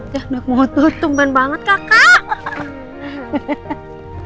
ya naik motor temban banget kakak